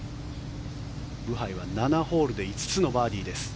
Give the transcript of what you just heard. ブハイは７ホールで５つのバーディーです。